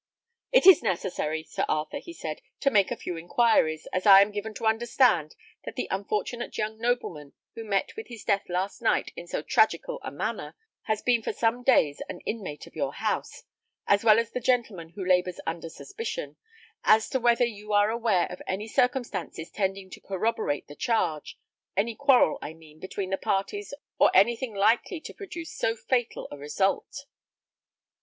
"It is necessary, Sir Arthur," he said, "to make a few inquiries, as I am given to understand that the unfortunate young nobleman who met with his death last night in so tragical a manner, has been for some days an inmate of your house, as well as the gentleman who labours under suspicion as to whether you are aware of any circumstance tending to corroborate the charge any quarrel, I mean, between the parties, or anything likely to produce so fatal a result?"